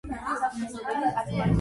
თუმცა ბიტლომანია წარმოიშვა უფრო ადრე.